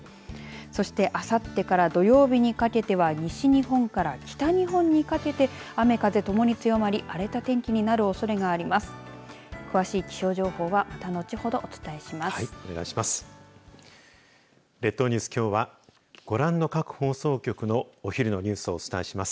そしてあさってから土曜日にかけては西日本から北日本にかけて雨、風ともに強まり荒れた天気になるおそれがあります。